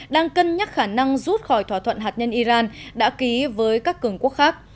đang cân nhắc khả năng rút khỏi thỏa thuận hạt nhân iran đã ký với các cường quốc khác